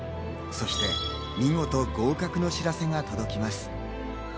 そして見事、合格の知らせが届きます。